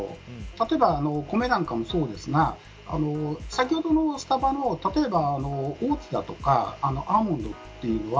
例えば米なんかもそうですが先ほどのスタバの例えばオーツだとかアーモンドというのは